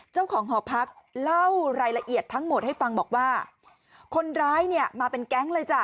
เจ้าของหอพักเล่ารายละเอียดทั้งหมดให้ฟังบอกว่าคนร้ายเนี่ยมาเป็นแก๊งเลยจ้ะ